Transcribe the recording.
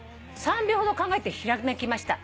「３秒ほど考えてひらめきました」